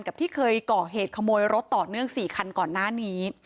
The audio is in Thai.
กับที่เคยก่อเหตุขโมยรถต่อเนื่อง๔คันก่อนหน้านี้